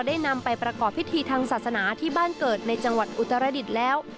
นำไปประกอบพิธีทางศาสนาที่บ้านเกิดในจังหวัดอุตรดิษฐ์แล้ว